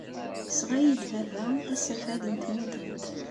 Yesɣa-iyi-d baba asafag n tmudemt.